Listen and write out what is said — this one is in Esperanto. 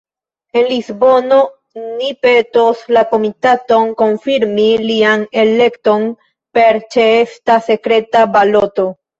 En Lisbono ni petos la Komitaton konfirmi lian elekton per ĉeesta sekreta baloto.